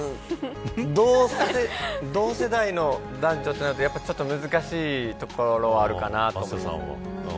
同世代の男女となるとやっぱりちょっと難しいところあるかなと思います。